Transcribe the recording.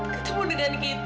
ketemu dengan kita